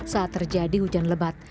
saat terjadi hujan lebat